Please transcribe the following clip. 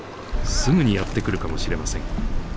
すぐにやって来るかもしれません。